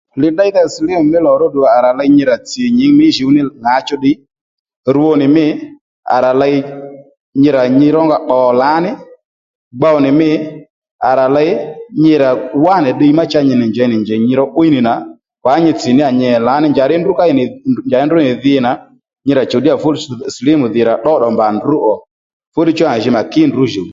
Li ddéydha silimu mí dhi ró ddù à rà ley nyi rà tsì nyì mí djǔw ní ŋǎchú ddiy rwo nì mî à ra ley nyi rà nyirónga pbò lǎní gbow nì mî à rà ley nyi ra wá nì ddiy ma cha nyi nì njey nì njèy nyi ró 'wíy nì nà kwan nyi tsì ní yà nyi nì lǎní njàddí ndrǔ má ì nì njàddí ndrǔ nì dhi nà nyi rà chùw dí yà fú silimu ddhi nì ddóddò mbà ndrǔ ò fú nì chú à jì mà kí ndrǔ djùw